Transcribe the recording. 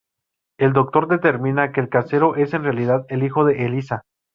El Doctor determina que el casero es en realidad el hijo de Eliza.